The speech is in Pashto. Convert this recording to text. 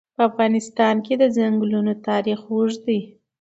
په افغانستان کې د چنګلونه تاریخ اوږد دی.